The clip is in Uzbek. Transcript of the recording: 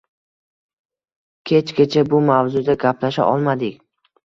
Kechgacha bu mavzuda gaplasha olmadik